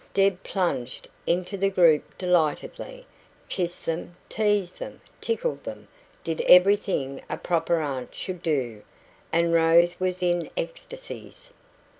Deb plunged into the group delightedly, kissed them, teased them, tickled them, did everything a proper aunt should do; and Rose was in ecstasies.